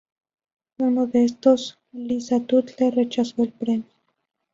Uno de estos, Lisa Tuttle, rechazó el premio.